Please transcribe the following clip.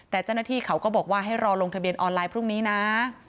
แต่เจ้าหน้าที่เขาก็บอกว่าให้รอลงทะเบียนออนไลน์พรุ่งนี้นะ